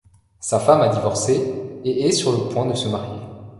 Sa femme a divorcé et est sur le point de se marier.